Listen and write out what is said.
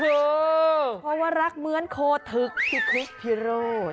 เพราะว่ารักเหมือนโคทึกที่คุกพิโรธ